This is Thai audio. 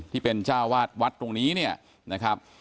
ที่เป็นเจ้าวาดวัดตรงนี้เนี่ยนะครับ